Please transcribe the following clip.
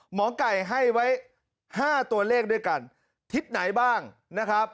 หมอไก่ให้ไว้ห้าตัวเลขด้วยกันทิศไหนบ้างนะครับ